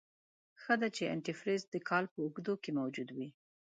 ښه ده چې انتي فریز دکال په اوږدو کې موجود وي.